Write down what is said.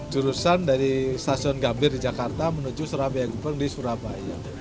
jurusan dari stasiun gambir di jakarta menuju surabaya gebang di surabaya